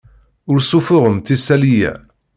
Ur ssuffuɣemt isali-a.